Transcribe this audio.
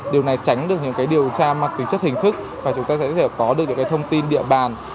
điều này tránh được những điều tra mặt tính chất hình thức và chúng ta sẽ có được những thông tin địa bàn